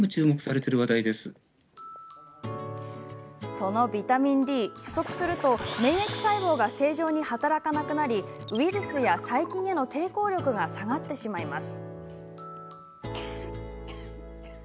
そのビタミンＤ、不足すると免疫細胞が正常に働かなくなりウイルスや細菌への抵抗力が下がってしまいます。